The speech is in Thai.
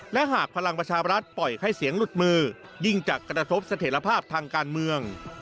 และหากพลังประชาบรัฐปล่อยให้เสียงหลุดมือยิ่งจะกระทบเสถียรภาพทางการเมือง